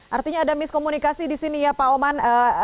artinya ada miskomunikasi di sini ya pak oman